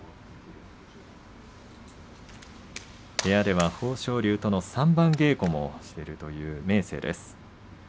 部屋では豊昇龍との三番稽古もしているという明生です。